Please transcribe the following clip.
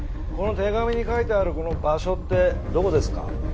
この手紙に書いてあるこの場所ってどこですか？